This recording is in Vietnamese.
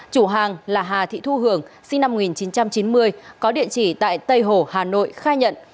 chủ hàng là hà thị thu hường sinh năm một nghìn chín trăm chín mươi có địa chỉ tại tây hồ hà nội khai nhận